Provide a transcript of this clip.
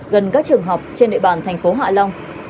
gần các trường học trên địa bàn tp hạ long